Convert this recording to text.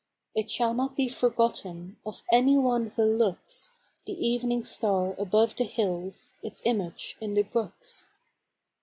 It shall not be forgotten Of any one who looks, The evening star above the hills, Its image in the brooks.